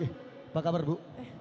apa kabar bu